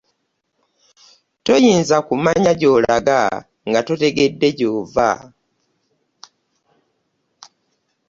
Toyinza kumanya gy'olaga nga totegedde gy'ova